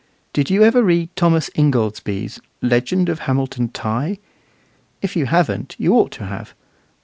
Did you ever read Thomas Ingoldsby's "Legend of Hamilton Tighe"? If you haven't, you ought to have.